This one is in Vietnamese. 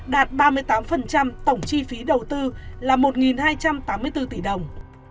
đạt ba mươi tám tổng chi phí đầu tư là một hai trăm tám mươi bốn tỷ đồng